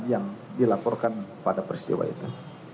yang dilaporkan pada peristiwa itu